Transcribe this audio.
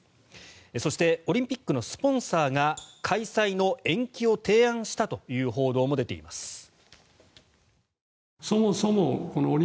そしてオリンピックのスポンサーが開催の延期を提案したという報道も出ています。